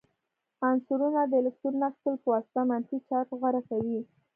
عنصرونه د الکترون اخیستلو په واسطه منفي چارج غوره کوي.